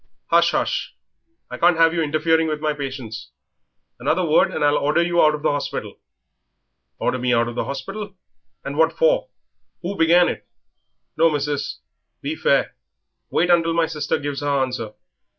"Hush, hush, I can't have you interfering with my patients; another word and I'll order you out of the hospital." "Horder me out of the horspital! and what for? Who began it? No, missis, be fair; wait until my sister gives her answer."